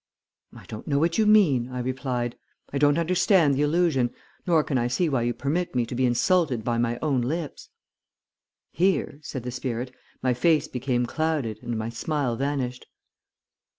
"'I don't know what you mean,' I replied, 'I don't understand the allusion, nor can I see why you permit me to be insulted by my own lips.' "Here," said the spirit, "my face became clouded and my smile vanished.